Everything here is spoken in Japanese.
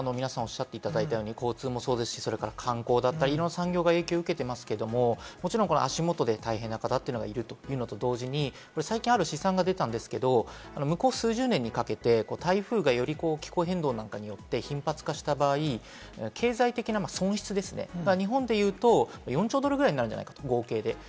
交通もそうですし、観光だったり、いろんな産業が影響を受けていますけれども、足元で大変な方がいるというのと同時に、最近ある試算が出たんですけれど、向こう数十年にかけて、台風がより気候変動なんかによって頻発化した場合、経済的な損失が日本でいうと、４兆ドルぐらいになるんじゃないかと、合計で。